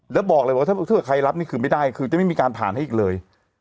แล้วบอกเลยว่าถ้าเกิดใครรับนี่คือไม่ได้คือจะไม่มีการผ่านให้อีกเลย